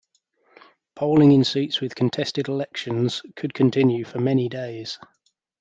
Polling in seats with contested elections could continue for many days.